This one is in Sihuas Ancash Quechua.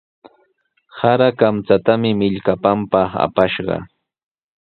Sara kamchatami millkapanpaq apashqa.